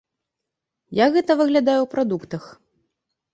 Як гэта выглядае ў прадуктах?